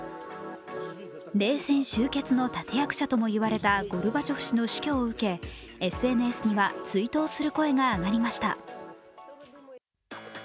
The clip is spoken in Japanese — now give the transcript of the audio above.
冷戦終結の立役者ともいわれたゴルバチョフ氏の死去を受けＳＮＳには追悼する声が上がりました。